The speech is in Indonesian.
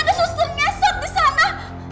ada suster ngesot di sana